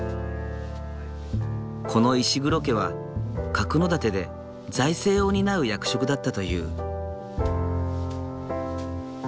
この石黒家は角館で財政を担う役職だったという。